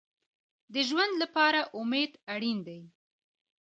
د ژوند لپاره امید اړین دی